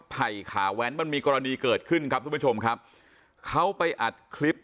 ไผ่ขาแว้นมันมีกรณีเกิดขึ้นครับทุกผู้ชมครับเขาไปอัดคลิป